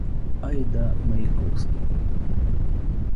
Айда, Маяковский!